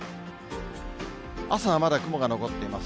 朝はまだ雲が残っています。